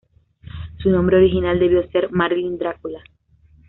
Su nombre original debió ser Marilyn Drácula.